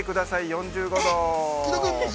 ４５度。